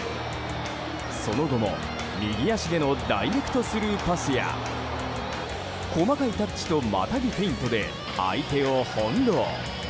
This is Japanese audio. その後、右足でのダイレクトスルーパスや細かいタッチとまたぎフェイントで相手を翻弄。